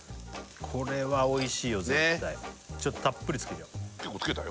これはおいしいよ絶対たっぷりつけるよ結構つけたよ